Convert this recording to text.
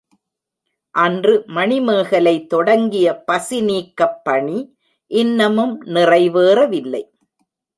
அன்று மணிமேகலை தொடங்கிய பசி நீக்கப்பணி, இன்னமும் நிறைவேறவில்லை.